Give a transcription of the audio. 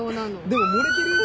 でも盛れてるよ。